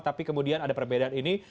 tapi kemudian ada perbedaan ini